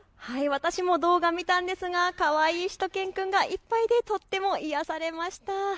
私も動画を見たんですがかわいいしゅと犬くんがいっぱいでとっても癒やされました。